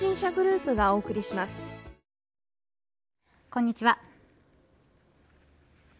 こんにちは。